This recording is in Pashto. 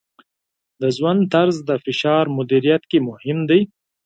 د ژوند طرز د فشار مدیریت کې مهم دی.